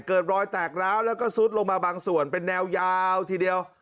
เกิดรอยแตกร้าวแล้วก็ซุดลงมาบางส่วนเป็นแนวยาวทีเดียว